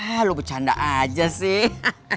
eh lo bercanda aja sih